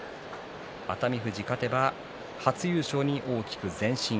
熱海富士、勝てば初優勝に大きく前進。